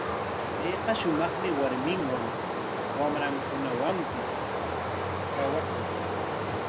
Payqa shumaqmi warminwan, wamrankunawanpis kawakun.